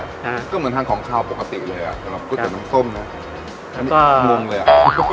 อ่าก็เหมือนทางของข้าวปกติเลยอ่ะอ่าก๋วยเตี๋ยวน้ำส้มน่ะแล้วก็มงเลยอ่ะ